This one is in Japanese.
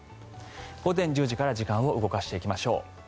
午前１０時から時間を動かしていきましょう。